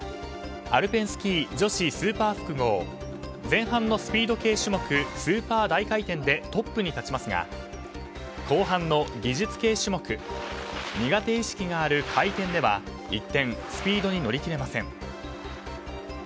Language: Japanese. アルペンスキー女子スーパー複合前半のスピード系種目スーパー大回転でトップに立ちますが後半の技術系種目苦手意識がある回転では一転、スピードに乗り切れません。